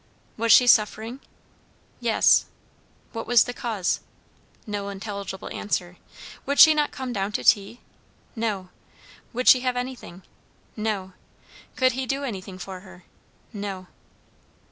Was she suffering? Yes. What was the cause? No intelligible answer. Would she not come down to tea? No. Would she have anything? No. Could he do anything for her? No.